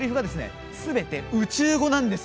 すべて宇宙語なんです。